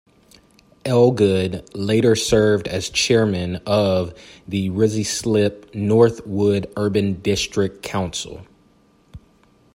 Elgood later served as chairman of the Ruislip-Northwood Urban District Council.